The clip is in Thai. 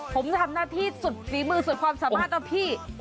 ผมทำหน้าที่สุดฝีมือสุดความสามารถนะพี่